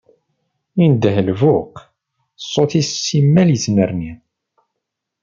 Indeh lbuq, ṣṣut-is simmal ittnerni.